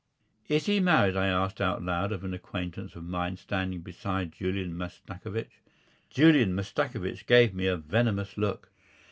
"Is he married?" I asked out loud of an acquaintance of mine standing beside Julian Mastakovich. Julian Mastakovich gave me a venomous look.